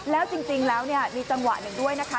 แล้วจริงแล้วเนี่ยมีจังหวะหนึ่งด้วยนะคะ